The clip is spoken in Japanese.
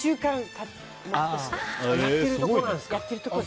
やってるところなんですか。